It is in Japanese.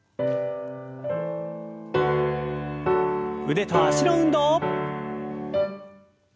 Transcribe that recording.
腕と脚の運動。